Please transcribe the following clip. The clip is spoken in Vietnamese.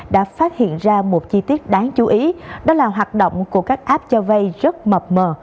đã phát hiện ra một chi tiết đáng chú ý đó là hoạt động của các app cho vay rất mập mờ